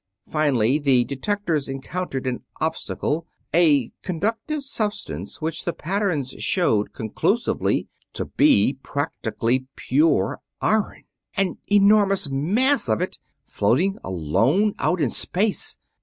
Finally the detectors encountered an obstacle, a conductive substance which the patterns showed conclusively to be practically pure iron. Iron an enormous mass of it floating alone out in space!